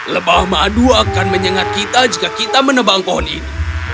lebah madu akan menyengat kita jika kita menebang pohon ini